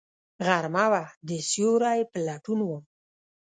غرمه وه، د سیوری په لټون وم